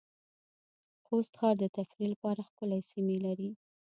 خوست ښار د تفریح لپاره ښکلې سېمې لرې